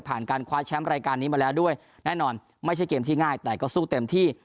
การคว้าแชมป์รายการนี้มาแล้วด้วยแน่นอนไม่ใช่เกมที่ง่ายแต่ก็สู้เต็มที่